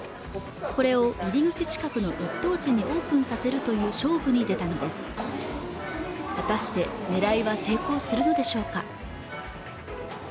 これを入り口近くの一等地にオープンさせるという勝負に出たのです果たして狙いは成功するのでしょうか